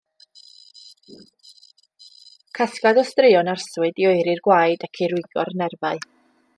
Casgliad o straeon arswyd i oeri'r gwaed ac i rwygo'r nerfau.